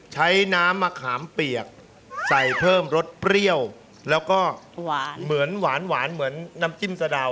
ใช้น้ำมะขามเปียกใส่เพิ่มรสเปรี้ยวแล้วก็เหมือนหวานเหมือนน้ำจิ้มสะดาว